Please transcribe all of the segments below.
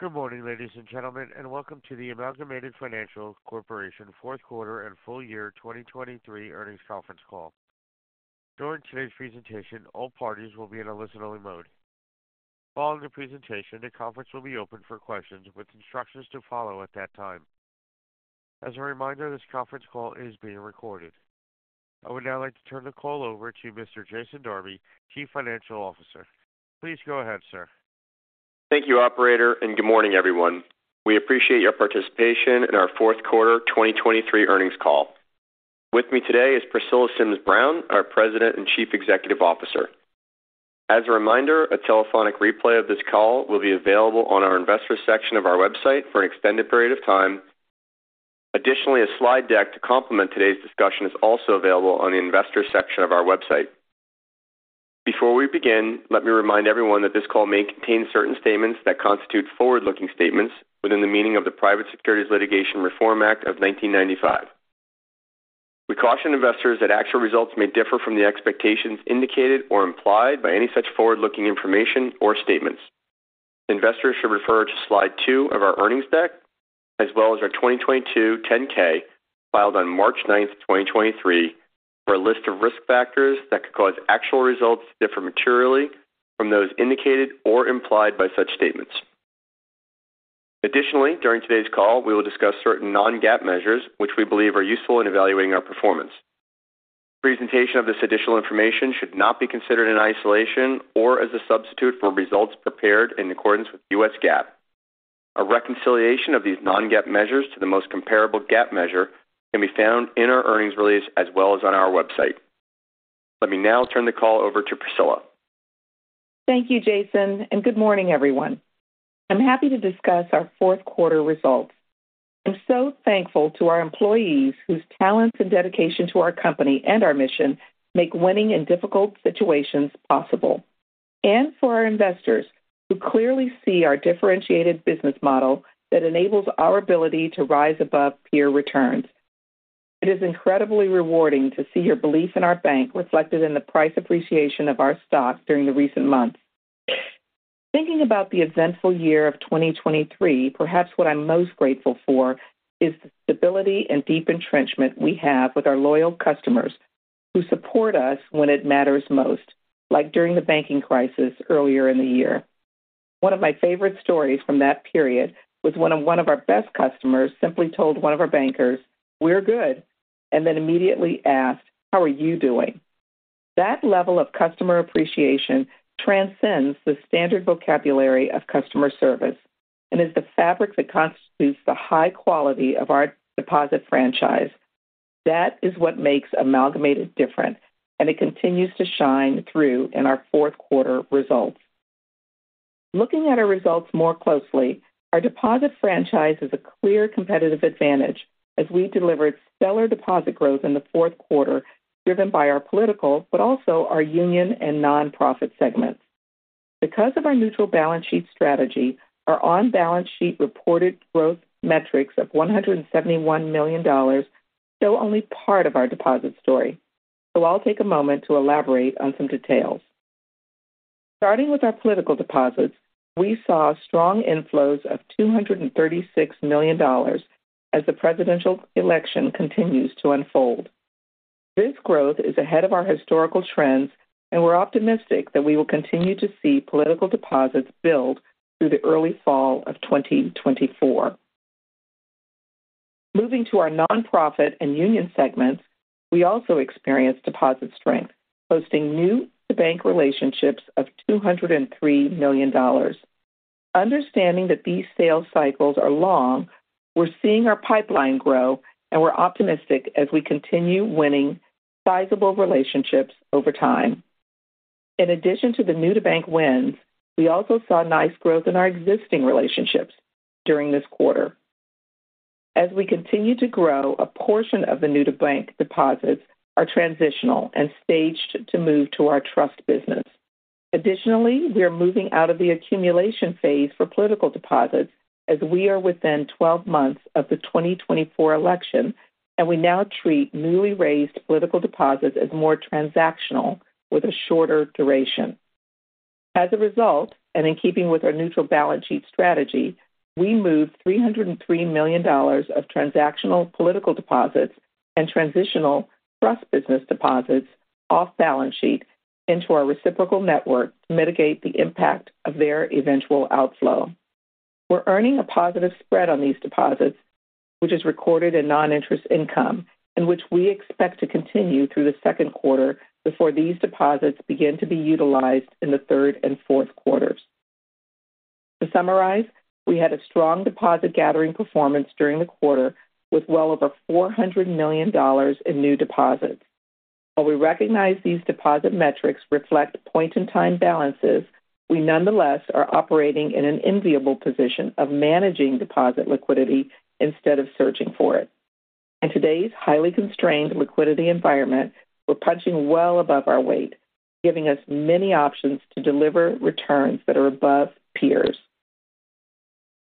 Good morning, ladies and gentlemen, and welcome to the Amalgamated Financial Corporation fourth quarter and full year 2023 earnings conference call. During today's presentation, all parties will be in a listen-only mode. Following the presentation, the conference will be open for questions, with instructions to follow at that time. As a reminder, this conference call is being recorded. I would now like to turn the call over to Mr. Jason Darby, Chief Financial Officer. Please go ahead, sir. Thank you, operator, and good morning, everyone. We appreciate your participation in our fourth quarter 2023 earnings call. With me today is Priscilla Sims Brown, our President and Chief Executive Officer. As a reminder, a telephonic replay of this call will be available on our investors section of our website for an extended period of time. Additionally, a slide deck to complement today's discussion is also available on the investor section of our website. Before we begin, let me remind everyone that this call may contain certain statements that constitute forward-looking statements within the meaning of the Private Securities Litigation Reform Act of 1995. We caution investors that actual results may differ from the expectations indicated or implied by any such forward-looking information or statements. Investors should refer to slide two of our earnings deck, as well as our 2022 10-K, filed on March 9, 2023, for a list of risk factors that could cause actual results to differ materially from those indicated or implied by such statements. Additionally, during today's call, we will discuss certain non-GAAP measures, which we believe are useful in evaluating our performance. Presentation of this additional information should not be considered in isolation or as a substitute for results prepared in accordance with U.S. GAAP. A reconciliation of these non-GAAP measures to the most comparable GAAP measure can be found in our earnings release as well as on our website. Let me now turn the call over to Priscilla. Thank you, Jason, and good morning, everyone. I'm happy to discuss our fourth quarter results. I'm so thankful to our employees, whose talents and dedication to our company and our mission make winning in difficult situations possible, and for our investors, who clearly see our differentiated business model that enables our ability to rise above peer returns. It is incredibly rewarding to see your belief in our bank reflected in the price appreciation of our stock during the recent months. Thinking about the eventful year of 2023, perhaps what I'm most grateful for is the stability and deep entrenchment we have with our loyal customers who support us when it matters most, like during the banking crisis earlier in the year. One of my favorite stories from that period was when one of our best customers simply told one of our bankers, "We're good," and then immediately asked, "How are you doing?" That level of customer appreciation transcends the standard vocabulary of customer service and is the fabric that constitutes the high quality of our deposit franchise. That is what makes Amalgamated different, and it continues to shine through in our fourth quarter results. Looking at our results more closely, our deposit franchise is a clear competitive advantage as we delivered stellar deposit growth in the fourth quarter, driven by our political but also our union and nonprofit segments. Because of our neutral balance sheet strategy, our on-balance sheet reported growth metrics of $171 million show only part of our deposit story. So I'll take a moment to elaborate on some details. Starting with our political deposits, we saw strong inflows of $236 million as the presidential election continues to unfold. This growth is ahead of our historical trends, and we're optimistic that we will continue to see political deposits build through the early fall of 2024. Moving to our nonprofit and union segments, we also experienced deposit strength, posting new-to-bank relationships of $203 million. Understanding that these sales cycles are long, we're seeing our pipeline grow, and we're optimistic as we continue winning sizable relationships over time. In addition to the new-to-bank wins, we also saw nice growth in our existing relationships during this quarter. As we continue to grow, a portion of the new-to-bank deposits are transitional and staged to move to our trust business. Additionally, we are moving out of the accumulation phase for political deposits as we are within 12 months of the 2024 election, and we now treat newly raised political deposits as more transactional with a shorter duration. As a result, and in keeping with our neutral balance sheet strategy, we moved $303 million of transactional political deposits and transitional trust business deposits off balance sheet into our reciprocal network to mitigate the impact of their eventual outflow. We're earning a positive spread on these deposits, which is recorded in non-interest income and which we expect to continue through the second quarter before these deposits begin to be utilized in the third and fourth quarters. To summarize, we had a strong deposit gathering performance during the quarter with well over $400 million in new deposits. While we recognize these deposit metrics reflect point-in-time balances, we nonetheless are operating in an enviable position of managing deposit liquidity instead of searching for it. In today's highly constrained liquidity environment, we're punching well above our weight, giving us many options to deliver returns that are above peers.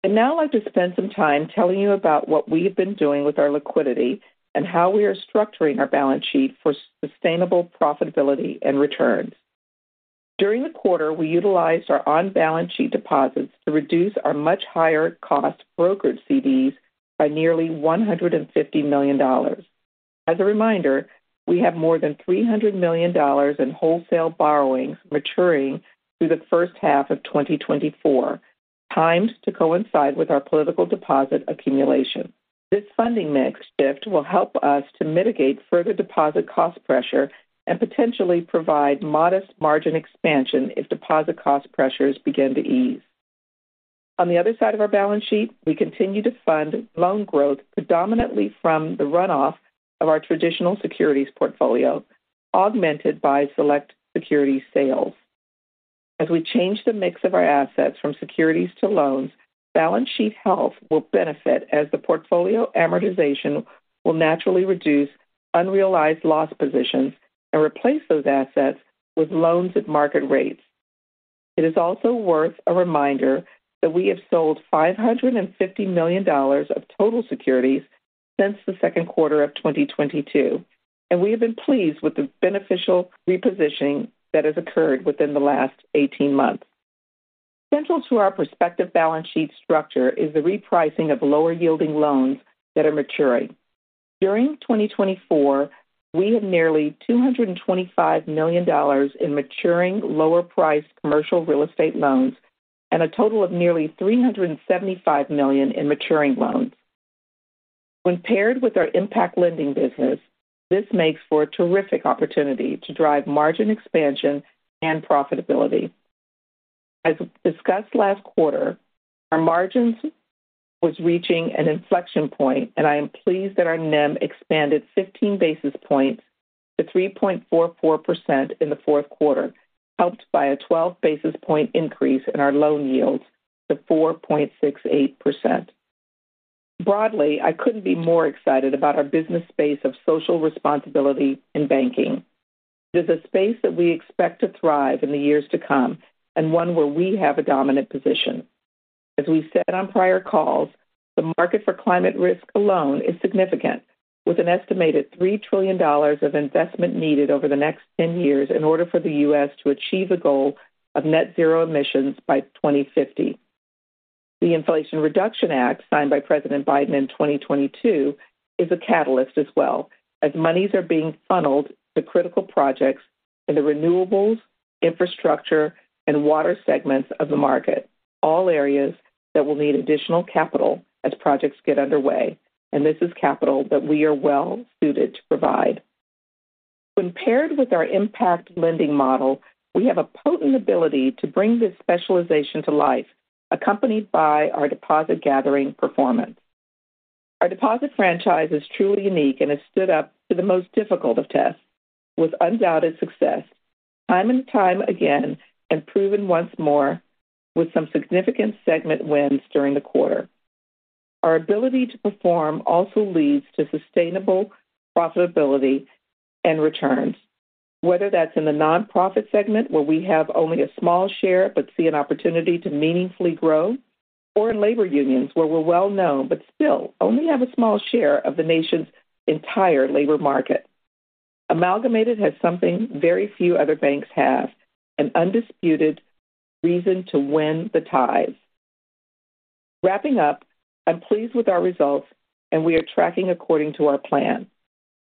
I'd now like to spend some time telling you about what we have been doing with our liquidity and how we are structuring our balance sheet for sustainable profitability and returns... During the quarter, we utilized our on-balance sheet deposits to reduce our much higher cost brokered CDs by nearly $150 million. As a reminder, we have more than $300 million in wholesale borrowings maturing through the first half of 2024, timed to coincide with our political deposit accumulation. This funding mix shift will help us to mitigate further deposit cost pressure and potentially provide modest margin expansion if deposit cost pressures begin to ease. On the other side of our balance sheet, we continue to fund loan growth predominantly from the runoff of our traditional securities portfolio, augmented by select security sales. As we change the mix of our assets from securities to loans, balance sheet health will benefit as the portfolio amortization will naturally reduce unrealized loss positions and replace those assets with loans at market rates. It is also worth a reminder that we have sold $550 million of total securities since the second quarter of 2022, and we have been pleased with the beneficial repositioning that has occurred within the last 18 months. Central to our prospective balance sheet structure is the repricing of lower-yielding loans that are maturing. During 2024, we have nearly $225 million in maturing lower-priced commercial real estate loans and a total of nearly $375 million in maturing loans. When paired with our impact lending business, this makes for a terrific opportunity to drive margin expansion and profitability. As discussed last quarter, our margin was reaching an inflection point, and I am pleased that our NIM expanded 15 basis points to 3.44% in the fourth quarter, helped by a 12 basis point increase in our loan yields to 4.68%. Broadly, I couldn't be more excited about our business space of social responsibility in banking. It is a space that we expect to thrive in the years to come and one where we have a dominant position. As we've said on prior calls, the market for climate risk alone is significant, with an estimated $3 trillion of investment needed over the next 10 years in order for the U.S. to achieve a goal of net zero emissions by 2050. The Inflation Reduction Act, signed by President Biden in 2022, is a catalyst as well, as monies are being funneled to critical projects in the renewables, infrastructure, and water segments of the market, all areas that will need additional capital as projects get underway, and this is capital that we are well suited to provide. When paired with our impact lending model, we have a potent ability to bring this specialization to life, accompanied by our deposit gathering performance. Our deposit franchise is truly unique and has stood up to the most difficult of tests with undoubted success, time and time again, and proven once more with some significant segment wins during the quarter. Our ability to perform also leads to sustainable profitability and returns, whether that's in the nonprofit segment, where we have only a small share, but see an opportunity to meaningfully grow, or in labor unions, where we're well-known, but still only have a small share of the nation's entire labor market. Amalgamated has something very few other banks have, an undisputed reason to win the ties. Wrapping up, I'm pleased with our results, and we are tracking according to our plan.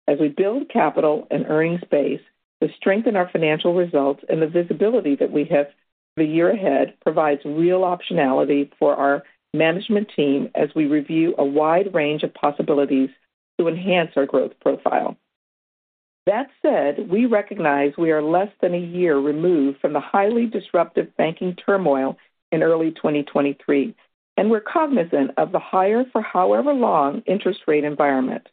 As we build capital and earnings base to strengthen our financial results and the visibility that we have for the year ahead provides real optionality for our management team as we review a wide range of possibilities to enhance our growth profile. That said, we recognize we are less than a year removed from the highly disruptive banking turmoil in early 2023, and we're cognizant of the higher for however long interest rate environment.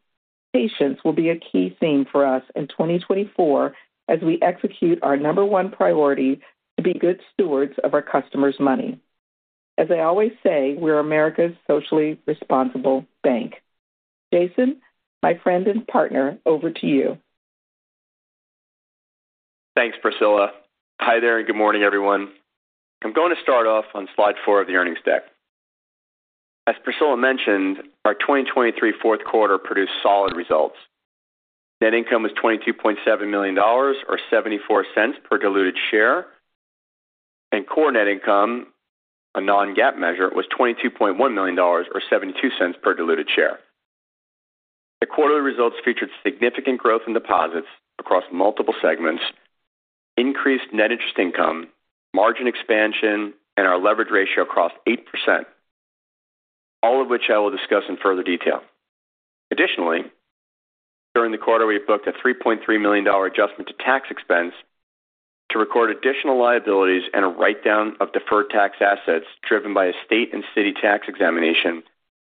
Patience will be a key theme for us in 2024 as we execute our number one priority to be good stewards of our customers' money. As I always say, we're America's socially responsible bank. Jason, my friend and partner, over to you. Thanks, Priscilla. Hi there, and good morning, everyone. I'm going to start off on slide four of the earnings deck. As Priscilla mentioned, our 2023 fourth quarter produced solid results. Net income was $22.7 million, or $0.74 per diluted share, and core net income, a non-GAAP measure, was $22.1 million, or $0.72 per diluted share. The quarterly results featured significant growth in deposits across multiple segments, increased net interest income, margin expansion, and our leverage ratio above 8%, all of which I will discuss in further detail. Additionally, during the quarter, we booked a $3.3 million adjustment to tax expense to record additional liabilities and a write-down of deferred tax assets, driven by a state and city tax examination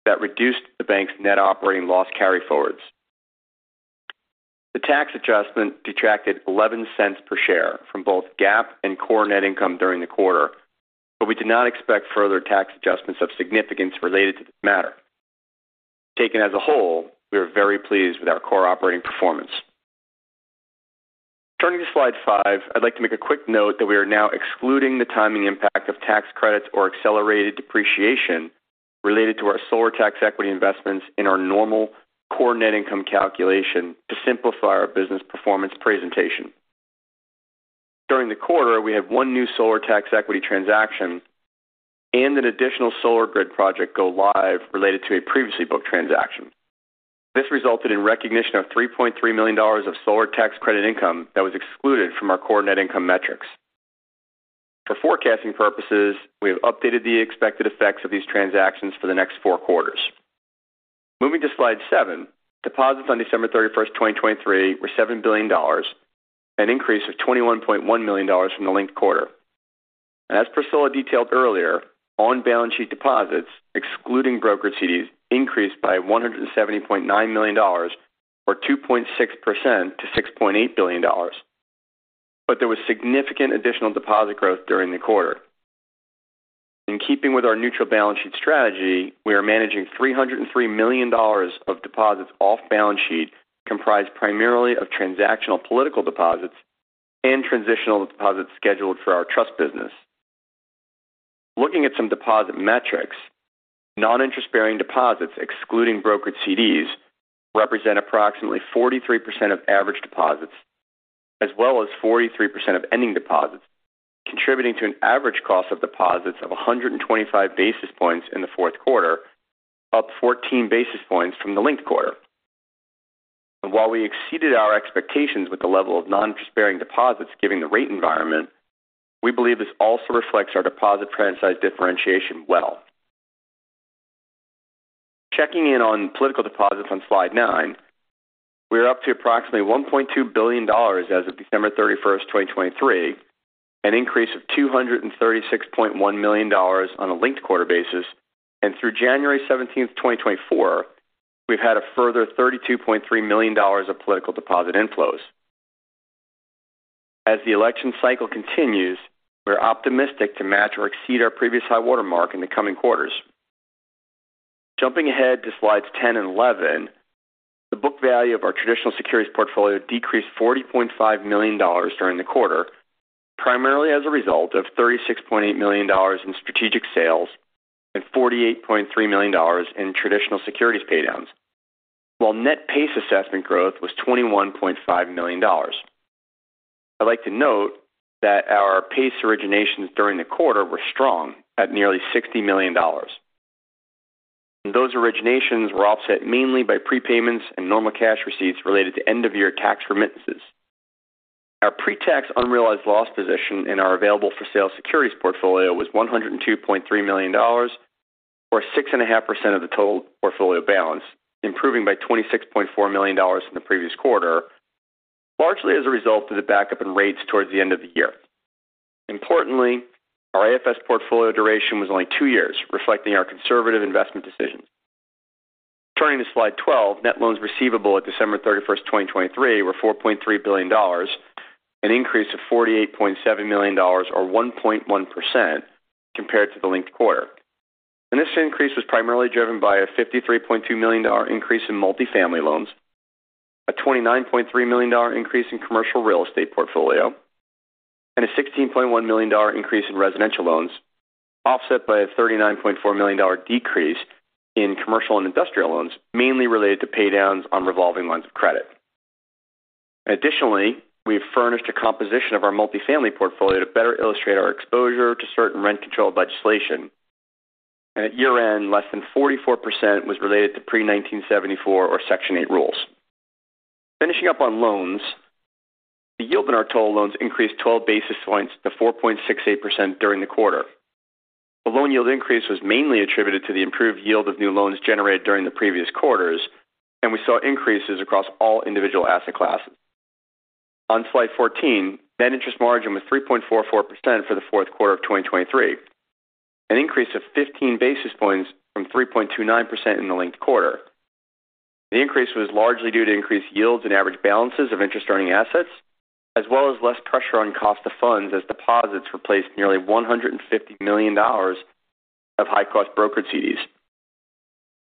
that reduced the bank's net operating loss carryforwards. The tax adjustment detracted $0.11 per share from both GAAP and core net income during the quarter, but we do not expect further tax adjustments of significance related to the matter. Taken as a whole, we are very pleased with our core operating performance. Turning to slide five, I'd like to make a quick note that we are now excluding the timing impact of tax credits or accelerated depreciation related to our solar tax equity investments in our normal core net income calculation to simplify our business performance presentation. During the quarter, we had one new solar tax equity transaction and an additional solar grid project go live related to a previously booked transaction. This resulted in recognition of $3.3 million of solar tax credit income that was excluded from our core net income metrics. For forecasting purposes, we have updated the expected effects of these transactions for the next four quarters. Moving to Slide seven, deposits on December 31, 2023, were $7 billion, an increase of $21.1 million from the linked quarter. As Priscilla detailed earlier, on-balance sheet deposits, excluding brokered CDs, increased by $170.9 million, or 2.6% to $6.8 billion. There was significant additional deposit growth during the quarter. In keeping with our neutral balance sheet strategy, we are managing $303 million of deposits off balance sheet, comprised primarily of transactional political deposits and transitional deposits scheduled for our trust business. Looking at some deposit metrics, non-interest-bearing deposits excluding Brokered CDs represent approximately 43% of average deposits, as well as 43% of ending deposits, contributing to an average cost of deposits of 125 basis points in the fourth quarter, up 14 basis points from the linked quarter. While we exceeded our expectations with the level of non-sparing deposits given the rate environment, we believe this also reflects our deposit price differentiation well. Checking in on political deposits on Slide nine, we are up to approximately $1.2 billion as of December 31, 2023, an increase of $236.1 million on a linked quarter basis, and through January 17, 2024, we've had a further $32.3 million of political deposit inflows. As the election cycle continues, we're optimistic to match or exceed our previous high watermark in the coming quarters. Jumping ahead to Slides ten and 11, the book value of our traditional securities portfolio decreased $40.5 million during the quarter, primarily as a result of $36.8 million in strategic sales and $48.3 million in traditional securities paydowns, while net PACE assessment growth was $21.5 million. I'd like to note that our PACE originations during the quarter were strong at nearly $60 million. Those originations were offset mainly by prepayments and normal cash receipts related to end-of-year tax remittances. Our pre-tax unrealized loss position in our available-for-sale securities portfolio was $102.3 million, or 6.5% of the total portfolio balance, improving by $26.4 million from the previous quarter, largely as a result of the backup in rates towards the end of the year. Importantly, our AFS portfolio duration was only 2 years, reflecting our conservative investment decisions. Turning to Slide 12, net loans receivable at December 31, 2023, were $4.3 billion, an increase of $48.7 million, or 1.1% compared to the linked quarter. This increase was primarily driven by a $53.2 million increase in multifamily loans, a $29.3 million increase in commercial real estate portfolio, and a $16.1 million increase in residential loans, offset by a $39.4 million decrease in commercial and industrial loans, mainly related to paydowns on revolving lines of credit. Additionally, we furnished a composition of our multifamily portfolio to better illustrate our exposure to certain rent-controlled legislation. At year-end, less than 44% was related to pre-1974 or Section 8 rules. Finishing up on loans, the yield in our total loans increased 12 basis points to 4.68% during the quarter. The loan yield increase was mainly attributed to the improved yield of new loans generated during the previous quarters, and we saw increases across all individual asset classes. On Slide 14, net interest margin was 3.44% for the fourth quarter of 2023, an increase of 15 basis points from 3.29% in the linked quarter. The increase was largely due to increased yields and average balances of interest-earning assets, as well as less pressure on cost of funds as deposits replaced nearly $150 million of high-cost brokered CDs.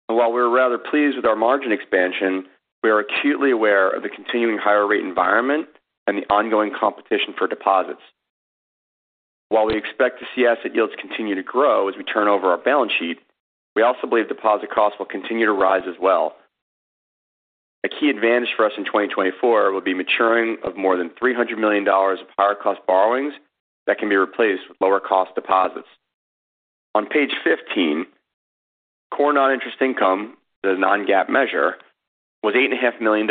While we're rather pleased with our margin expansion, we are acutely aware of the continuing higher rate environment and the ongoing competition for deposits. While we expect to see asset yields continue to grow as we turn over our balance sheet, we also believe deposit costs will continue to rise as well. A key advantage for us in 2024 will be maturing of more than $300 million of higher cost borrowings that can be replaced with lower cost deposits. On page 15, core non-interest income, the non-GAAP measure, was $8.5 million,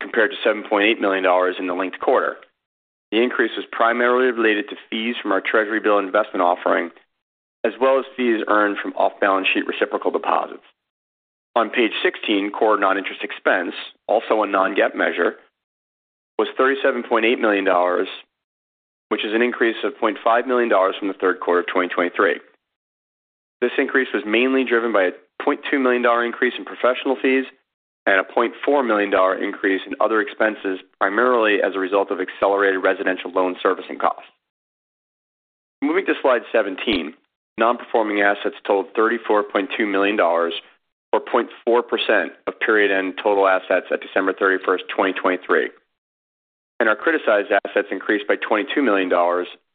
compared to $7.8 million in the linked quarter. The increase was primarily related to fees from our Treasury bill investment offering, as well as fees earned from off-balance sheet reciprocal deposits. On page 16, core non-interest expense, also a non-GAAP measure, was $37.8 million, which is an increase of $0.5 million from the third quarter of 2023. This increase was mainly driven by a $0.2 million increase in professional fees and a $0.4 million increase in other expenses, primarily as a result of accelerated residential loan servicing costs. Moving to Slide 17, non-performing assets totaled $34.2 million, or 0.4% of period-end total assets at December 31, 2023, and our criticized assets increased by $22 million,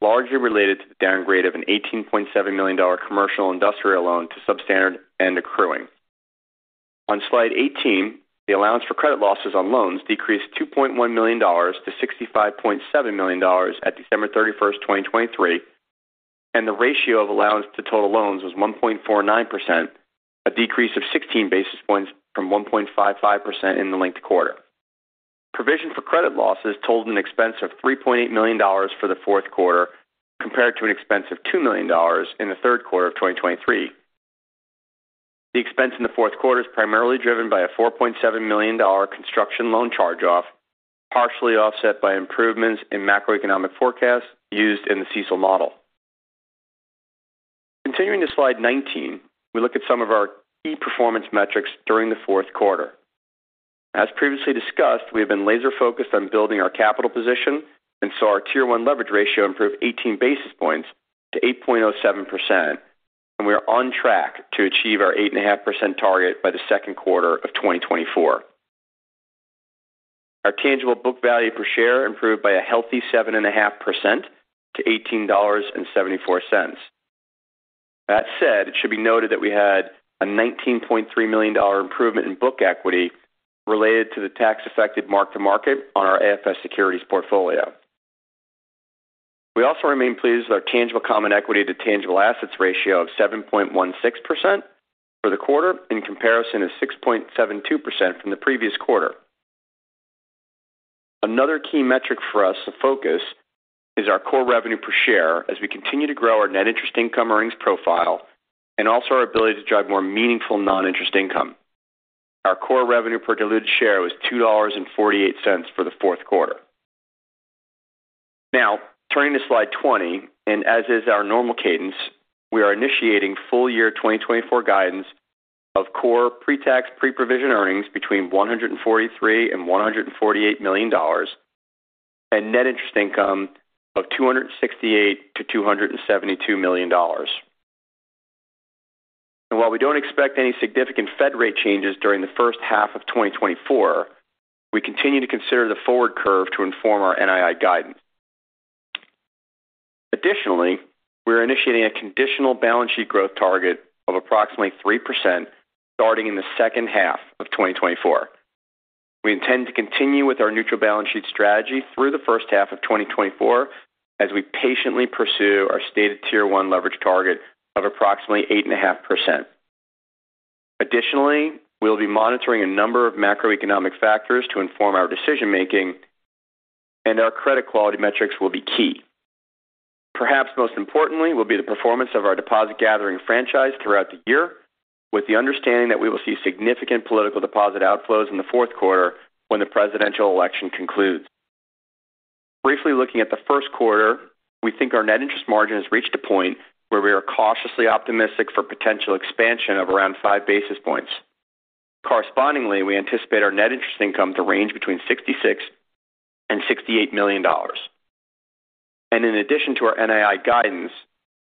largely related to the downgrade of an $18.7 million commercial industrial loan to substandard and accruing. On slide 18, the allowance for credit losses on loans decreased $2.1 million to $65.7 million at December 31, 2023, and the ratio of allowance to total loans was 1.49%, a decrease of 16 basis points from 1.55% in the linked quarter. Provision for credit losses totaled an expense of $3.8 million for the fourth quarter, compared to an expense of $2 million in the third quarter of 2023. The expense in the fourth quarter is primarily driven by a $4.7 million construction loan charge-off, partially offset by improvements in macroeconomic forecasts used in the CECL model. Continuing to slide 19, we look at some of our key performance metrics during the fourth quarter. As previously discussed, we have been laser focused on building our capital position and saw our Tier 1 leverage ratio improve 18 basis points to 8.07%, and we are on track to achieve our 8.5% target by the second quarter of 2024. Our tangible book value per share improved by a healthy 7.5% to $18.74. That said, it should be noted that we had a $19.3 million improvement in book equity related to the tax effective mark-to-market on our AFS securities portfolio. We also remain pleased with our tangible common equity to tangible assets ratio of 7.16% for the quarter in comparison to 6.72% from the previous quarter. Another key metric for us to focus is our core revenue per share as we continue to grow our net interest income earnings profile and also our ability to drive more meaningful non-interest income. Our core revenue per diluted share was $2.48 for the fourth quarter. Now turning to slide 20, and as is our normal cadence, we are initiating full year 2024 guidance of core pre-tax, pre-provision earnings between $143 million and $148 million, and net interest income of $268 million-$272 million. While we don't expect any significant Fed rate changes during the first half of 2024, we continue to consider the forward curve to inform our NII guidance. Additionally, we are initiating a conditional balance sheet growth target of approximately 3% starting in the second half of 2024. We intend to continue with our neutral balance sheet strategy through the first half of 2024 as we patiently pursue our stated Tier 1 leverage target of approximately 8.5%. Additionally, we'll be monitoring a number of macroeconomic factors to inform our decision making, and our credit quality metrics will be key. Perhaps most importantly, will be the performance of our deposit gathering franchise throughout the year, with the understanding that we will see significant political deposit outflows in the fourth quarter when the presidential election concludes. Briefly looking at the first quarter, we think our net interest margin has reached a point where we are cautiously optimistic for potential expansion of around 5 basis points. Correspondingly, we anticipate our net interest income to range between $66 million and $68 million. And in addition to our NII guidance,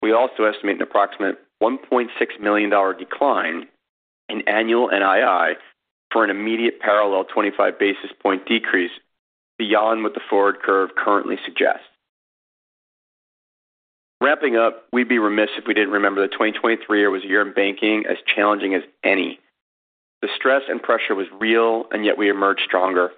we also estimate an approximate $1.6 million decline in annual NII for an immediate parallel 25 basis points decrease beyond what the forward curve currently suggests. Wrapping up, we'd be remiss if we didn't remember that 2023 was a year in banking as challenging as any. The stress and pressure was real, and yet we emerged stronger.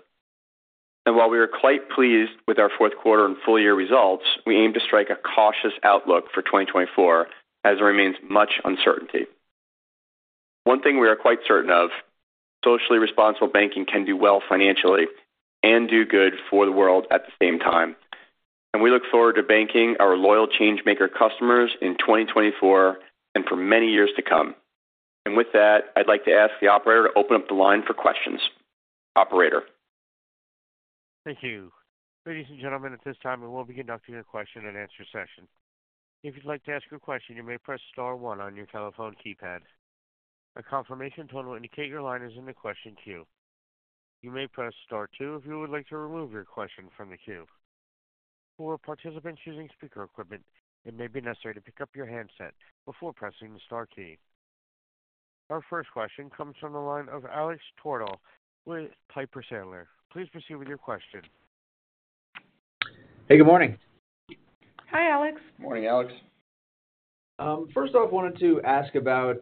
And while we are quite pleased with our fourth quarter and full year results, we aim to strike a cautious outlook for 2024, as there remains much uncertainty. One thing we are quite certain of, socially responsible banking can do well financially and do good for the world at the same time. We look forward to banking our loyal changemaker customers in 2024 and for many years to come. With that, I'd like to ask the operator to open up the line for questions. Operator? Thank you. Ladies and gentlemen, at this time, we will be conducting a question-and-answer session. If you'd like to ask a question, you may press star one on your telephone keypad. A confirmation tone will indicate your line is in the question queue. You may press star two if you would like to remove your question from the queue. For participants using speaker equipment, it may be necessary to pick up your handset before pressing the star key. Our first question comes from the line of Alexander Twerdahl with Piper Sandler. Please proceed with your question. Hey, good morning. Hi, Alex. Morning, Alex. First off, wanted to ask about,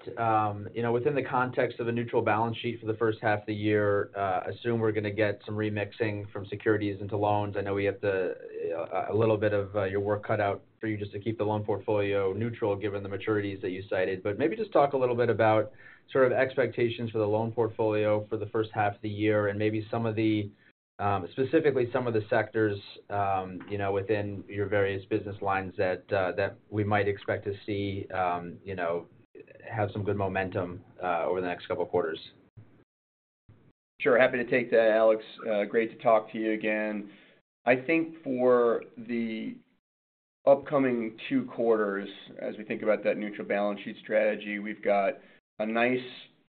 you know, within the context of a neutral balance sheet for the first half of the year, assume we're going to get some remixing from securities into loans. I know we have a little bit of your work cut out for you just to keep the loan portfolio neutral, given the maturities that you cited. But maybe just talk a little bit about sort of expectations for the loan portfolio for the first half of the year and maybe some of the, specifically some of the sectors, you know, within your various business lines that, that we might expect to see, you know, have some good momentum, over the next couple of quarters. Sure. Happy to take that, Alex. Great to talk to you again. I think for the upcoming two quarters, as we think about that neutral balance sheet strategy, we've got a nice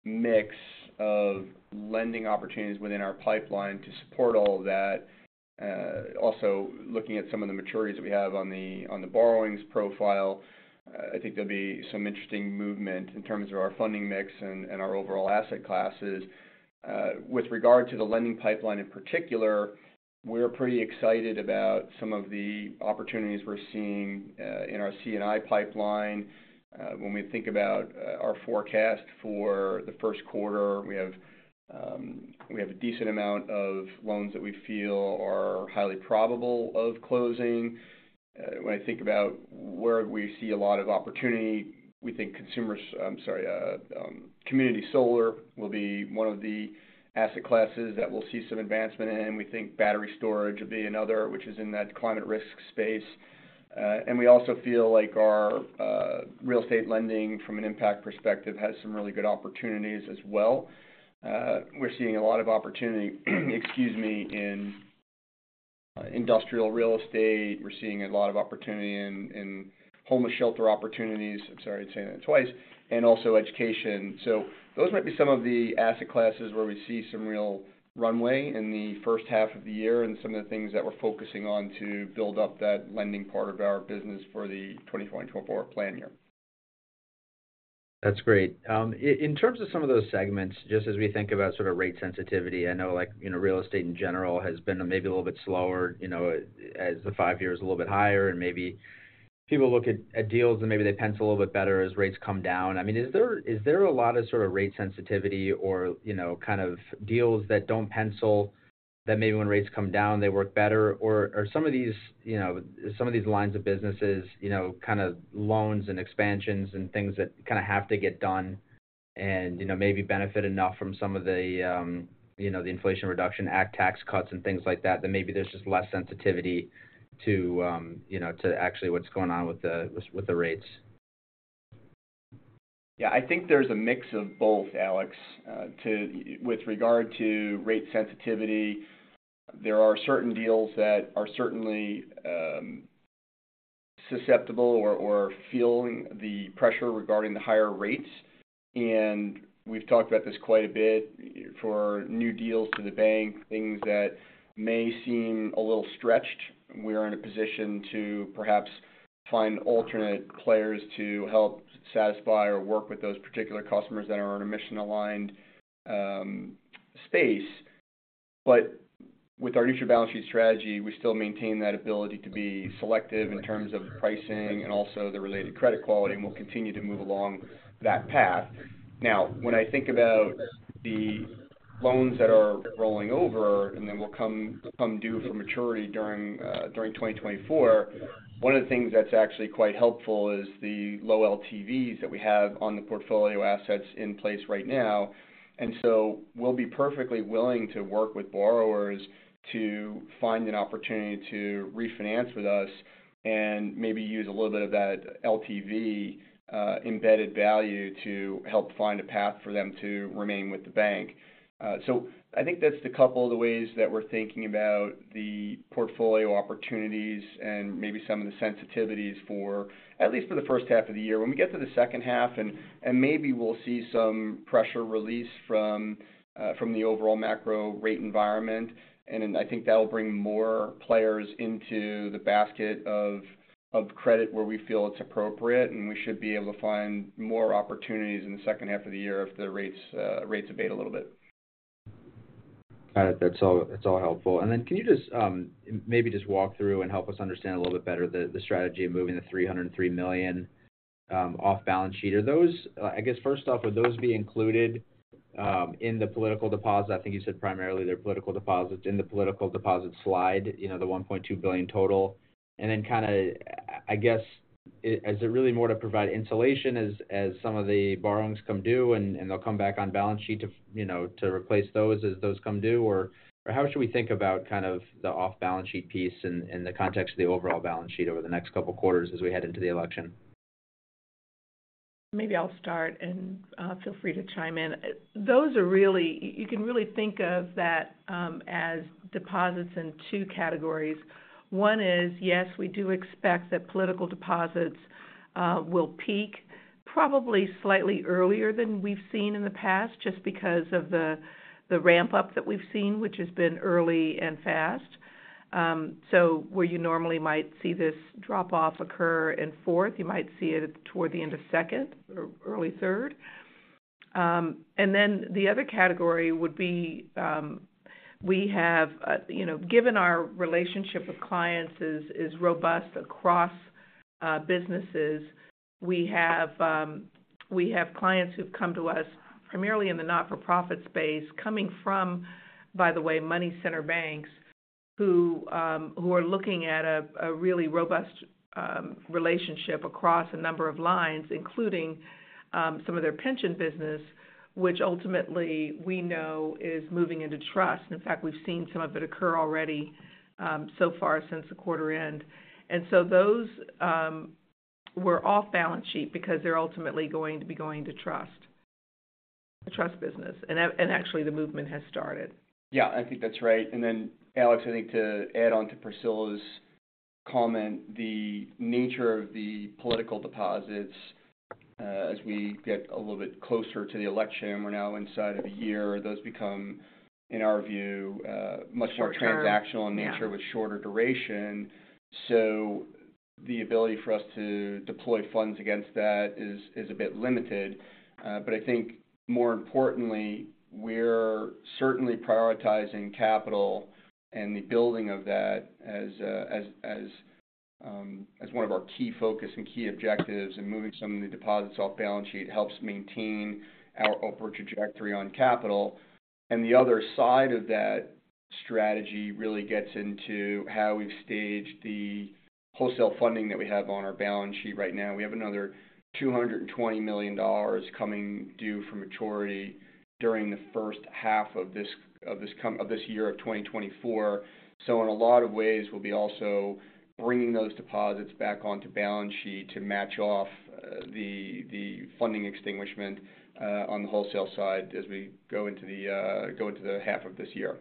mix of lending opportunities within our pipeline to support all of that. Also looking at some of the maturities we have on the borrowings profile, I think there'll be some interesting movement in terms of our funding mix and our overall asset classes… With regard to the lending pipeline in particular, we're pretty excited about some of the opportunities we're seeing in our C&I pipeline. When we think about our forecast for the first quarter, we have a decent amount of loans that we feel are highly probable of closing. When I think about where we see a lot of opportunity, we think community solar will be one of the asset classes that we'll see some advancement in. We think battery storage will be another, which is in that climate risk space. And we also feel like our real estate lending from an impact perspective has some really good opportunities as well. We're seeing a lot of opportunity, excuse me, in industrial real estate. We're seeing a lot of opportunity in homeless shelter opportunities, I'm sorry to saying that twice, and also education. So those might be some of the asset classes where we see some real runway in the first half of the year and some of the things that we're focusing on to build up that lending part of our business for the 2024 and 2024 plan year. That's great. In terms of some of those segments, just as we think about sort of rate sensitivity, I know, like, you know, real estate in general has been maybe a little bit slower, you know, as the five year is a little bit higher, and maybe people look at deals and maybe they pencil a little bit better as rates come down. I mean, is there, is there a lot of sort of rate sensitivity or, you know, kind of deals that don't pencil, that maybe when rates come down, they work better? Or, or some of these, you know, some of these lines of businesses, you know, kind of loans and expansions and things that kind of have to get done and, you know, maybe benefit enough from some of the, you know, the Inflation Reduction Act, tax cuts and things like that, then maybe there's just less sensitivity to, you know, to actually what's going on with the, with the rates. Yeah, I think there's a mix of both, Alex. With regard to rate sensitivity, there are certain deals that are certainly susceptible or, or feeling the pressure regarding the higher rates. We've talked about this quite a bit. For new deals to the bank, things that may seem a little stretched, we are in a position to perhaps find alternate players to help satisfy or work with those particular customers that are in a mission-aligned space. But with our neutral balance sheet strategy, we still maintain that ability to be selective in terms of pricing and also the related credit quality, and we'll continue to move along that path. Now, when I think about the loans that are rolling over, and then will come due for maturity during 2024, one of the things that's actually quite helpful is the low LTVs that we have on the portfolio assets in place right now. And so we'll be perfectly willing to work with borrowers to find an opportunity to refinance with us and maybe use a little bit of that LTV embedded value to help find a path for them to remain with the bank. So I think that's the couple of the ways that we're thinking about the portfolio opportunities and maybe some of the sensitivities for at least for the first half of the year. When we get to the second half, and maybe we'll see some pressure released from the overall macro rate environment, and then I think that will bring more players into the basket of credit where we feel it's appropriate, and we should be able to find more opportunities in the second half of the year if the rates abate a little bit. Got it. That's all, that's all helpful. And then can you just, maybe just walk through and help us understand a little bit better the, the strategy of moving the $303 million off-balance sheet? Are those-- I guess, first off, would those be included in the political deposit? I think you said primarily they're political deposits. In the political deposit slide, you know, the $1.2 billion total. And then kind of, I guess, is it really more to provide insulation as, as some of the borrowings come due, and, and they'll come back on-balance sheet to, you know, to replace those as those come due? Or how should we think about kind of the off-balance sheet piece in, in the context of the overall balance sheet over the next couple of quarters as we head into the election? Maybe I'll start, and feel free to chime in. Those are really... You can really think of that as deposits in two categories. One is, yes, we do expect that political deposits will peak probably slightly earlier than we've seen in the past, just because of the ramp-up that we've seen, which has been early and fast. So where you normally might see this drop-off occur in fourth, you might see it toward the end of second or early third. And then the other category would be, we have, you know, given our relationship with clients is robust across businesses, we have clients who've come to us, primarily in the not-for-profit space, coming from, by the way, money center banks, who are looking at a really robust relationship across a number of lines, including some of their pension business, which ultimately we know is moving into trust. In fact, we've seen some of it occur already, so far since the quarter end. And so those were off balance sheet because they're ultimately going to be going to trust, the trust business. And actually, the movement has started. Yeah, I think that's right. And then, Alex, I think to add on to Priscilla's comment, the nature of the political deposits, as we get a little bit closer to the election, we're now inside of a year, those become, in our view, Short term... much more transactional in nature with shorter duration. The ability for us to deploy funds against that is a bit limited. But I think more importantly, we're certainly prioritizing capital and the building of that as one of our key focus and key objectives, and moving some of the deposits off balance sheet helps maintain our upward trajectory on capital. And the other side of that strategy really gets into how we've staged the wholesale funding that we have on our balance sheet right now. We have another $220 million coming due for maturity during the first half of this year, of 2024. In a lot of ways, we'll be also bringing those deposits back onto balance sheet to match off the funding extinguishment on the wholesale side as we go into the half of this year.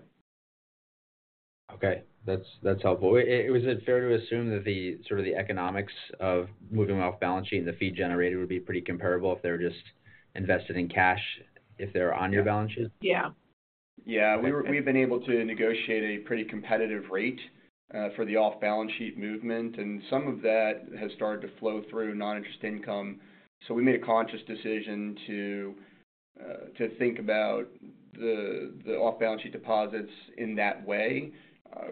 Okay. That's, that's helpful. Is it fair to assume that the sort of the economics of moving off balance sheet and the fee generated would be pretty comparable if they're just invested in cash, if they're on your balance sheet? Yeah. Yeah. We've been able to negotiate a pretty competitive rate for the off-balance sheet movement, and some of that has started to flow through non-interest income. So we made a conscious decision to think about the off-balance sheet deposits in that way.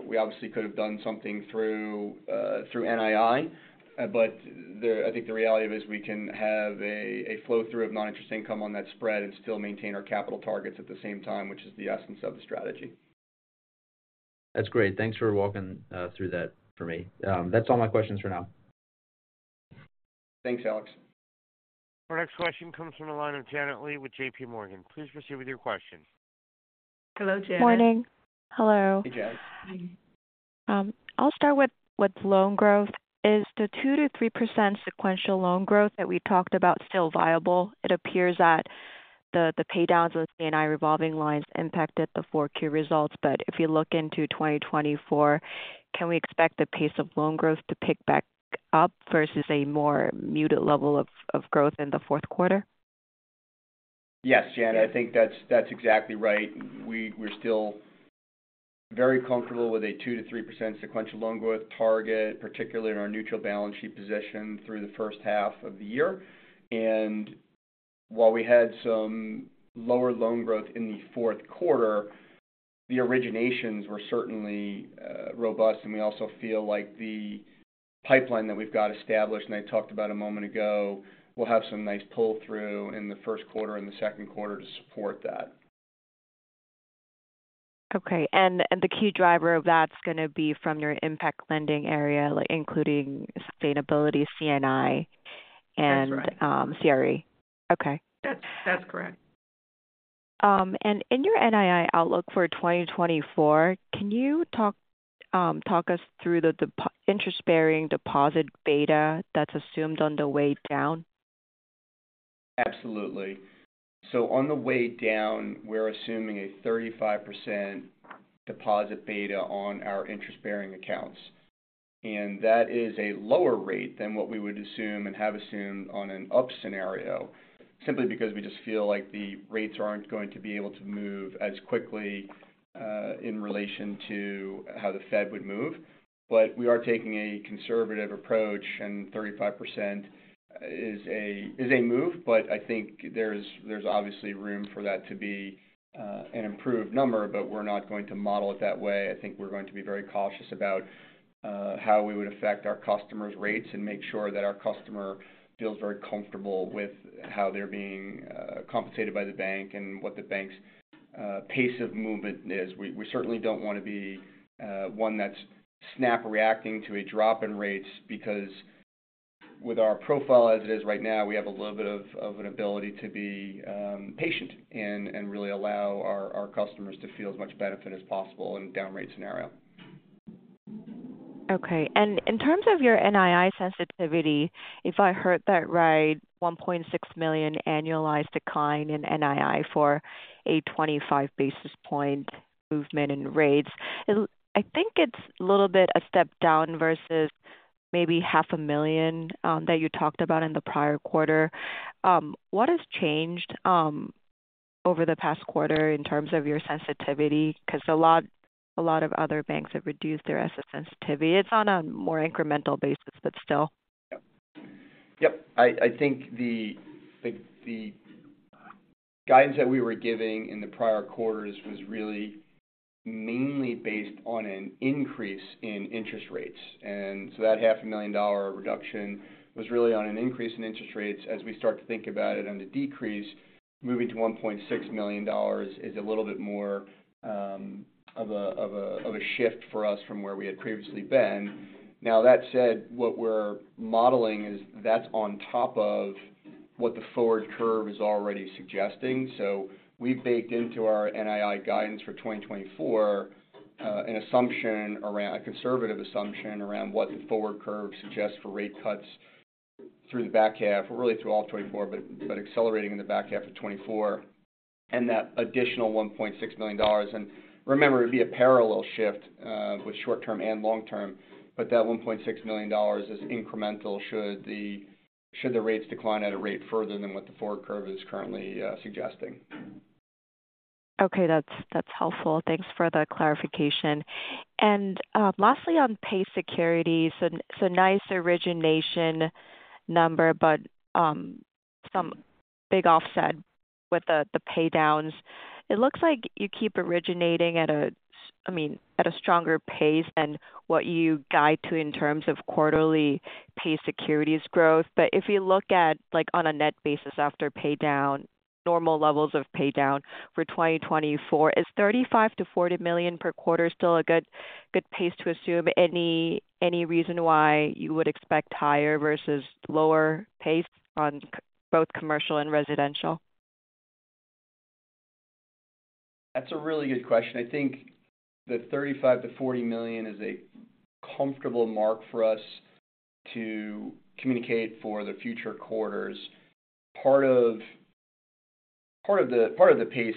We obviously could have done something through NII, but I think the reality of it is we can have a flow-through of non-interest income on that spread and still maintain our capital targets at the same time, which is the essence of the strategy. That's great. Thanks for walking through that for me. That's all my questions for now. Thanks, Alex. Our next question comes from the line of Janet Lee with J.P. Morgan. Please proceed with your question. Hello, Janet. Morning. Hello. Hey, Janet. I'll start with loan growth. Is the 2-3% sequential loan growth that we talked about still viable? It appears that the paydowns of C&I revolving lines impacted the 4Q results. But if you look into 2024, can we expect the pace of loan growth to pick back up versus a more muted level of growth in the fourth quarter? Yes, Janet, I think that's, that's exactly right. We're still very comfortable with a 2-3% sequential loan growth target, particularly in our neutral balance sheet position through the first half of the year. And while we had some lower loan growth in the fourth quarter, the originations were certainly robust, and we also feel like the pipeline that we've got established, and I talked about a moment ago, will have some nice pull-through in the first quarter and the second quarter to support that. Okay. And the key driver of that's going to be from your impact lending area, like including sustainability, C&I- That's right. - and, CRE. Okay. That's correct. In your NII outlook for 2024, can you talk us through the interest-bearing deposit beta that's assumed on the way down? Absolutely. So on the way down, we're assuming a 35% deposit beta on our interest-bearing accounts, and that is a lower rate than what we would assume and have assumed on an up scenario, simply because we just feel like the rates aren't going to be able to move as quickly in relation to how the Fed would move. But we are taking a conservative approach, and 35% is a, is a move, but I think there's, there's obviously room for that to be an improved number, but we're not going to model it that way. I think we're going to be very cautious about how we would affect our customers' rates and make sure that our customer feels very comfortable with how they're being compensated by the bank and what the bank's pace of movement is. We certainly don't want to be one that's snap reacting to a drop in rates, because with our profile as it is right now, we have a little bit of an ability to be patient and really allow our customers to feel as much benefit as possible in a down rate scenario. Okay. And in terms of your NII sensitivity, if I heard that right, $1.6 million annualized decline in NII for a 25 basis point movement in rates. I think it's a little bit a step down versus maybe $500,000 that you talked about in the prior quarter. What has changed over the past quarter in terms of your sensitivity? Because a lot, a lot of other banks have reduced their asset sensitivity. It's on a more incremental basis, but still. Yep. Yep. I think the guidance that we were giving in the prior quarters was really mainly based on an increase in interest rates. And so that $500,000 reduction was really on an increase in interest rates. As we start to think about it on the decrease, moving to $1.6 million is a little bit more of a shift for us from where we had previously been. Now, that said, what we're modeling is that's on top of what the forward curve is already suggesting. We've baked into our NII guidance for 2024, an assumption around—a conservative assumption around what the forward curve suggests for rate cuts through the back half, really through all of 2024, but but accelerating in the back half of 2024, and that additional $1.6 million. Remember, it'd be a parallel shift with short term and long term, but that $1.6 million is incremental, should the rates decline at a rate further than what the forward curve is currently suggesting.... Okay, that's, that's helpful. Thanks for the clarification. Lastly, on PACE securities, so, so nice origination number, but some big offset with the, the pay downs. It looks like you keep originating at a, I mean, at a stronger pace than what you guide to in terms of quarterly PACE securities growth. But if you look at, like, on a net basis after pay down, normal levels of pay down for 2024, is $35 million-$40 million per quarter, still a good, good pace to assume? Any, any reason why you would expect higher versus lower pace on C-PACE both commercial and residential? That's a really good question. I think the $35 million-$40 million is a comfortable mark for us to communicate for the future quarters. Part of the PACE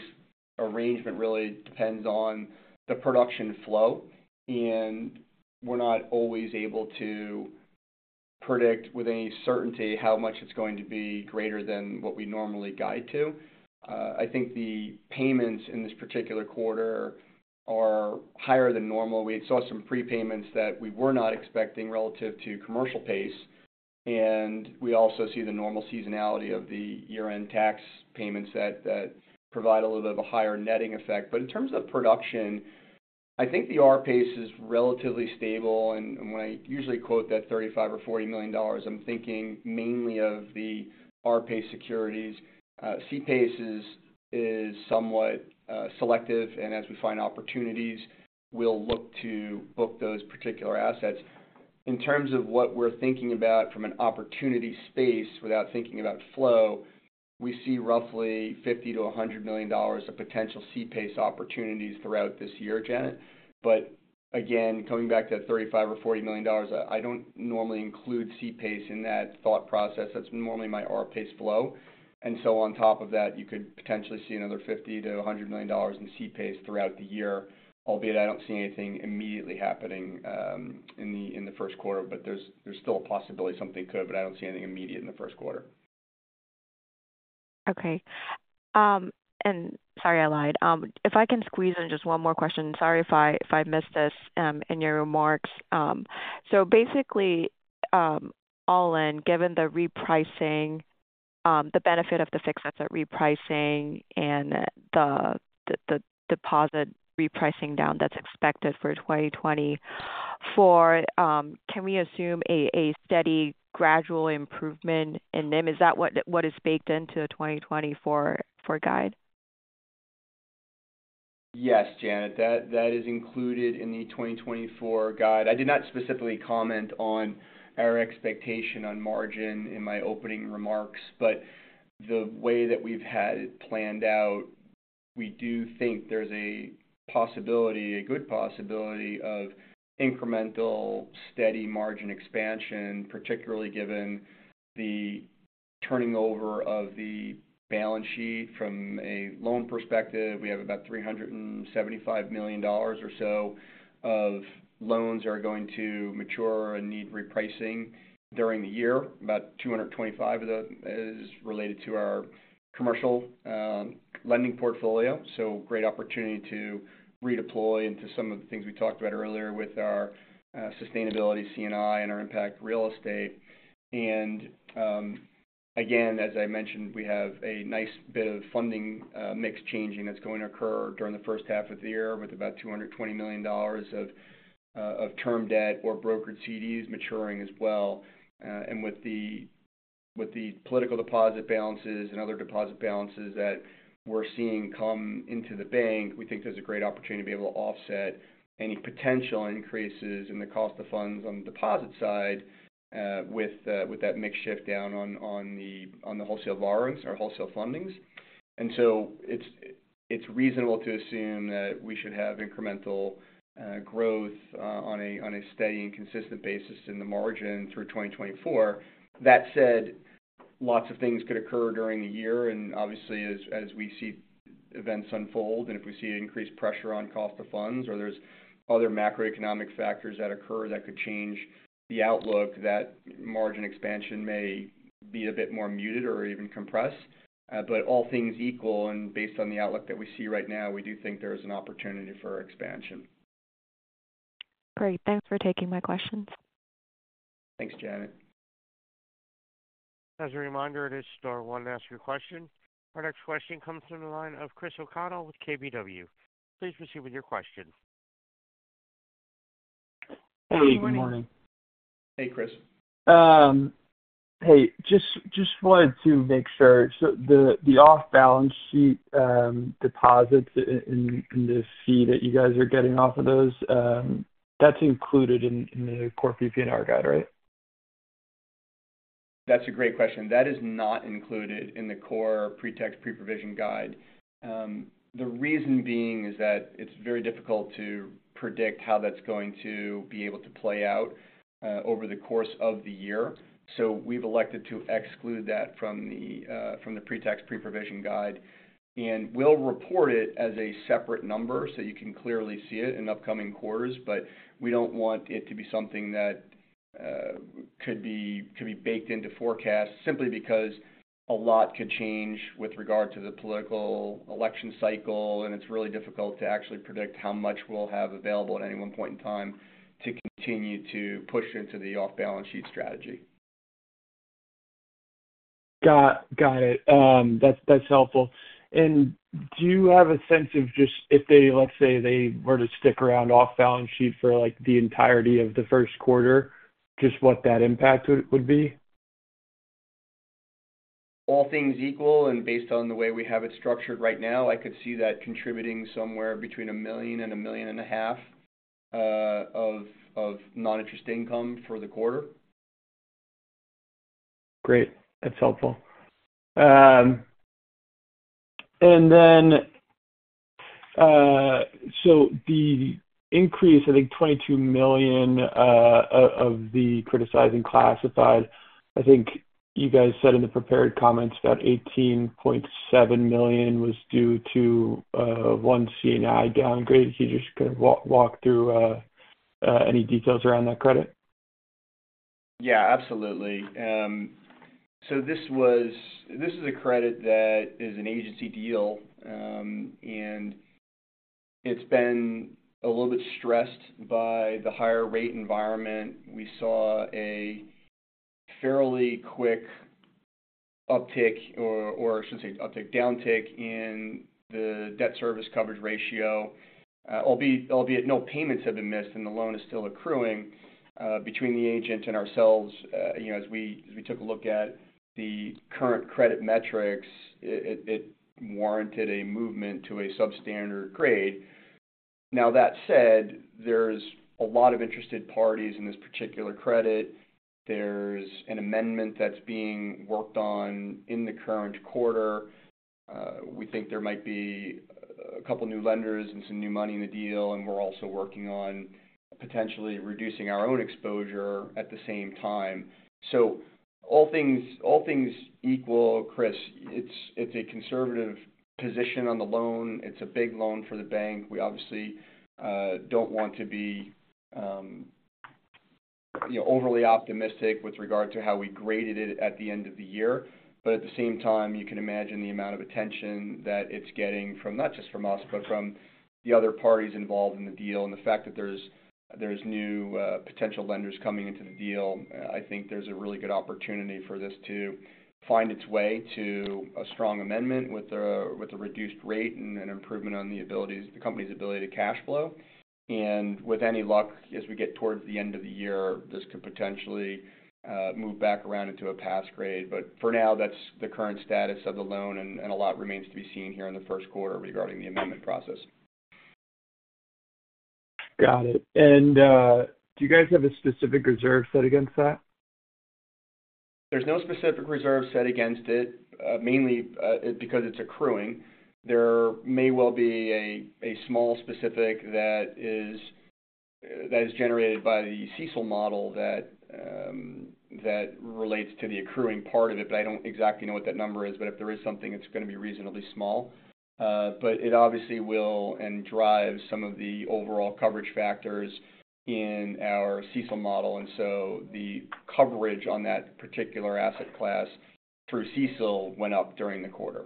arrangement really depends on the production flow, and we're not always able to predict with any certainty how much it's going to be greater than what we normally guide to. I think the payments in this particular quarter are higher than normal. We saw some prepayments that we were not expecting relative to commercial PACE, and we also see the normal seasonality of the year-end tax payments that provide a little bit of a higher netting effect. But in terms of production, I think the R-PACE is relatively stable, and when I usually quote that $35 million or $40 million dollars, I'm thinking mainly of the R-PACE securities. C-PACE is somewhat selective, and as we find opportunities, we'll look to book those particular assets. In terms of what we're thinking about from an opportunity space without thinking about flow, we see roughly $50 million-$100 million of potential C-PACE opportunities throughout this year, Janet. But again, coming back to that $35 million or $40 million, I don't normally include C-PACE in that thought process. That's normally my R-PACE flow. And so on top of that, you could potentially see another $50 million-$100 million in C-PACE throughout the year, albeit I don't see anything immediately happening in the first quarter, but there's still a possibility something could, but I don't see anything immediate in the first quarter. Okay. And sorry, I lied. If I can squeeze in just one more question. Sorry if I missed this in your remarks. So basically, all in, given the repricing, the benefit of the fixed asset repricing and the deposit repricing down that's expected for 2024, can we assume a steady gradual improvement in NIM? Is that what is baked into the 2024 guide? Yes, Janet. That, that is included in the 2024 guide. I did not specifically comment on our expectation on margin in my opening remarks, but the way that we've had it planned out, we do think there's a possibility, a good possibility of incremental steady margin expansion, particularly given the turning over of the balance sheet from a loan perspective. We have about $375 million or so of loans are going to mature and need repricing during the year. About 225 of those is related to our commercial lending portfolio. So great opportunity to redeploy into some of the things we talked about earlier with our sustainability C&I and our impact real estate. And, again, as I mentioned, we have a nice bit of funding mix changing that's going to occur during the first half of the year, with about $220 million of term debt or brokered CDs maturing as well. And with the political deposit balances and other deposit balances that we're seeing come into the bank, we think there's a great opportunity to be able to offset any potential increases in the cost of funds on the deposit side, with that mix shift down on the wholesale borrowings or wholesale fundings. And so it's reasonable to assume that we should have incremental growth on a steady and consistent basis in the margin through 2024. That said, lots of things could occur during the year, and obviously, as we see events unfold, and if we see increased pressure on cost of funds or there's other macroeconomic factors that occur that could change the outlook, that margin expansion may be a bit more muted or even compressed. But all things equal, and based on the outlook that we see right now, we do think there is an opportunity for expansion. Great. Thanks for taking my questions. Thanks, Janet. As a reminder, it is star one to ask your question. Our next question comes from the line of Chris O'Connell with KBW. Please proceed with your question. Hey, good morning. Hey, Chris. Hey, just wanted to make sure. So the off-balance sheet deposits and the fee that you guys are getting off of those, that's included in the core PPNR guide, right? That's a great question. That is not included in the core pre-tax, pre-provision guide. The reason being is that it's very difficult to predict how that's going to be able to play out over the course of the year. So we've elected to exclude that from the from the pre-tax, pre-provision guide, and we'll report it as a separate number, so you can clearly see it in upcoming quarters. But we don't want it to be something that could be baked into forecasts simply because a lot could change with regard to the political election cycle, and it's really difficult to actually predict how much we'll have available at any one point in time to continue to push into the off-balance sheet strategy. Got it. That's helpful. Do you have a sense of just if they, let's say, were to stick around off-balance sheet for, like, the entirety of the first quarter, just what that impact would be? All things equal, and based on the way we have it structured right now, I could see that contributing somewhere between $1 million and $1.5 million of non-interest income for the quarter. Great. That's helpful. And then, so the increase, I think $22 million, of the criticized classified, I think you guys said in the prepared comments that $18.7 million was due to one C&I downgrade. Can you just kind of walk through any details around that credit? Yeah, absolutely. So this was—this is a credit that is an agency deal, and it's been a little bit stressed by the higher rate environment. We saw a fairly quick uptick or I shouldn't say uptick, downtick in the debt service coverage ratio. Albeit no payments have been missed and the loan is still accruing between the agent and ourselves. You know, as we took a look at the current credit metrics, it warranted a movement to a substandard grade. Now, that said, there's a lot of interested parties in this particular credit. There's an amendment that's being worked on in the current quarter. We think there might be a couple of new lenders and some new money in the deal, and we're also working on potentially reducing our own exposure at the same time. So all things equal, Chris, it's a conservative position on the loan. It's a big loan for the bank. We obviously don't want to be, you know, overly optimistic with regard to how we graded it at the end of the year. But at the same time, you can imagine the amount of attention that it's getting from not just from us, but from the other parties involved in the deal. And the fact that there's new potential lenders coming into the deal, I think there's a really good opportunity for this to find its way to a strong amendment with a reduced rate and an improvement on the ability, the company's ability to cash flow. And with any luck, as we get towards the end of the year, this could potentially move back around into a pass grade. But for now, that's the current status of the loan, and a lot remains to be seen here in the first quarter regarding the amendment process. Got it. Do you guys have a specific reserve set against that? There's no specific reserve set against it, mainly, because it's accruing. There may well be a small specific that is generated by the CECL model that relates to the accruing part of it, but I don't exactly know what that number is. But if there is something, it's going to be reasonably small. But it obviously will and drives some of the overall coverage factors in our CECL model, and so the coverage on that particular asset class through CECL went up during the quarter.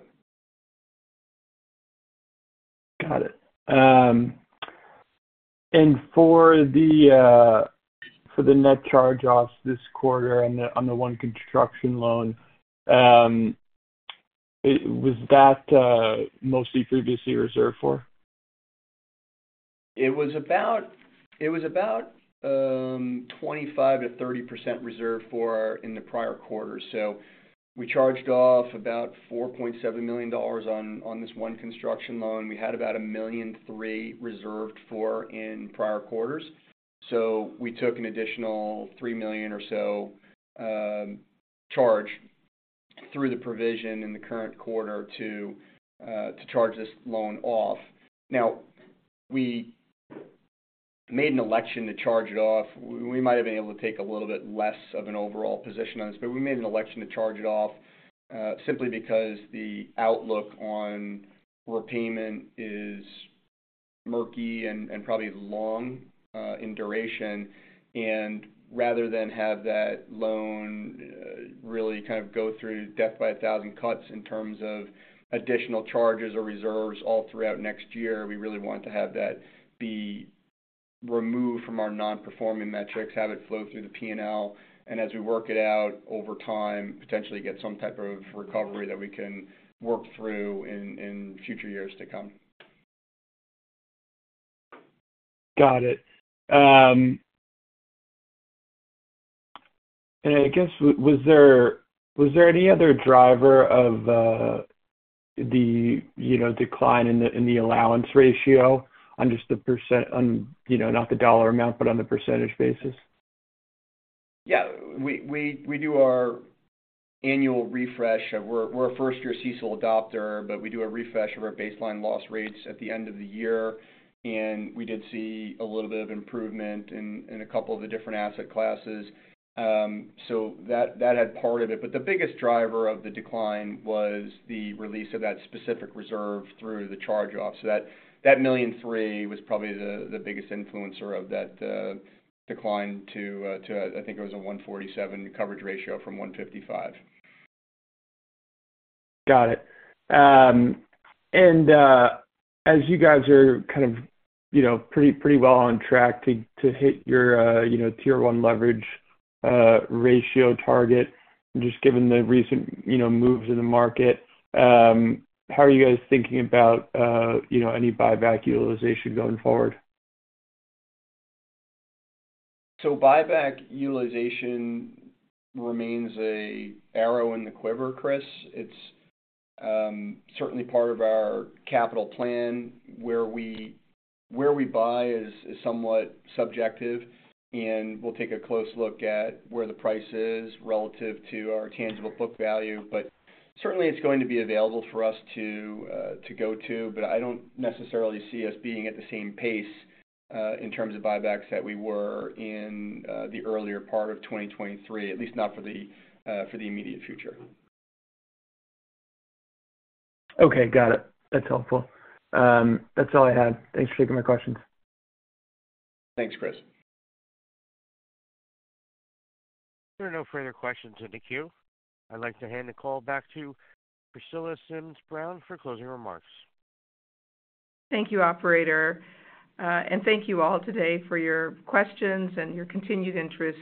Got it. And for the net charge-offs this quarter on the one construction loan, was that mostly previously reserved for? It was about 25-30% reserved for in the prior quarter. So we charged off about $4.7 million on this one construction loan. We had about $1.3 million reserved for in prior quarters, so we took an additional $3 million or so charge through the provision in the current quarter to charge this loan off. Now, we made an election to charge it off. We might have been able to take a little bit less of an overall position on this, but we made an election to charge it off simply because the outlook on repayment is murky and probably long in duration. Rather than have that loan really kind of go through death by a thousand cuts in terms of additional charges or reserves all throughout next year, we really want to have that be removed from our non-performing metrics, have it flow through the P&L, and as we work it out over time, potentially get some type of recovery that we can work through in future years to come. Got it. And I guess, was there any other driver of, you know, the decline in the allowance ratio on just the percent on, you know, not the dollar amount, but on the percentage basis? Yeah. We do our annual refresh. We're a first-year CECL adopter, but we do a refresh of our baseline loss rates at the end of the year, and we did see a little bit of improvement in a couple of the different asset classes. So that had part of it. But the biggest driver of the decline was the release of that specific reserve through the charge-off. So that $1.3 million was probably the biggest influencer of that decline to, I think it was a 147 coverage ratio from 155.... Got it. And as you guys are kind of, you know, pretty, pretty well on track to hit your, you know, Tier 1 leverage ratio target, just given the recent, you know, moves in the market, how are you guys thinking about, you know, any buyback utilization going forward? Buyback utilization remains an arrow in the quiver, Chris. It's certainly part of our capital plan. Where we buy is somewhat subjective, and we'll take a close look at where the price is relative to our tangible book value. But certainly it's going to be available for us to go to, but I don't necessarily see us being at the same pace in terms of buybacks that we were in the earlier part of 2023, at least not for the immediate future. Okay, got it. That's helpful. That's all I had. Thanks for taking my questions. Thanks, Chris. There are no further questions in the queue. I'd like to hand the call back to Priscilla Sims Brown for closing remarks. Thank you, operator. And thank you all today for your questions and your continued interest.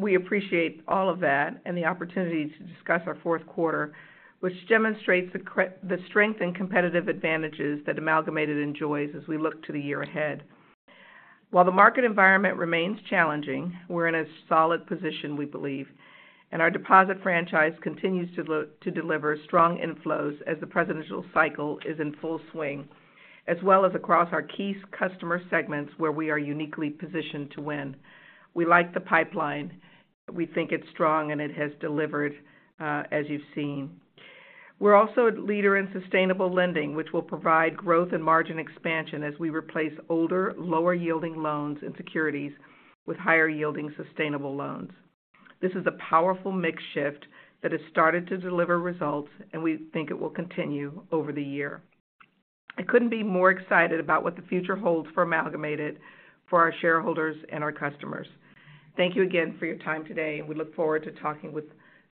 We appreciate all of that and the opportunity to discuss our fourth quarter, which demonstrates the strength and competitive advantages that Amalgamated enjoys as we look to the year ahead. While the market environment remains challenging, we're in a solid position, we believe, and our deposit franchise continues to deliver strong inflows as the presidential cycle is in full swing, as well as across our key customer segments, where we are uniquely positioned to win. We like the pipeline. We think it's strong, and it has delivered, as you've seen. We're also a leader in sustainable lending, which will provide growth and margin expansion as we replace older, lower-yielding loans and securities with higher-yielding sustainable loans. This is a powerful mix shift that has started to deliver results, and we think it will continue over the year. I couldn't be more excited about what the future holds for Amalgamated, for our shareholders and our customers. Thank you again for your time today, and we look forward to talking with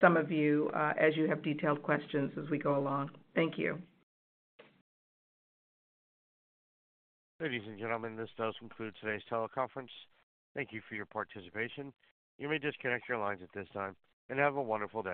some of you, as you have detailed questions as we go along. Thank you. Ladies and gentlemen, this does conclude today's teleconference. Thank you for your participation. You may disconnect your lines at this time, and have a wonderful day.